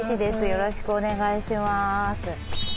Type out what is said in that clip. よろしくお願いします。